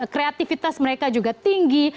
kreativitas mereka juga tinggi